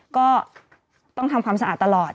ก็ต้องทำความสะอาดตลอด